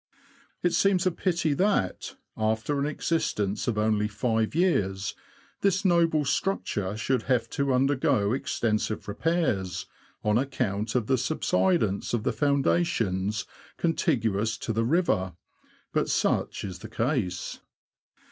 It seems a pity that, after an existence of only five years, this noble structure should have to undergo extensive repairs, on account of the subsidence of the foundations contiguous to the river ; but such is the case.